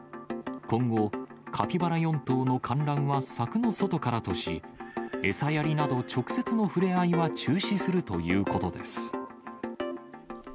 今後、カピバラ４頭の観覧は柵の外からとし、餌やりなど、直接の触れ合いは中止するということです。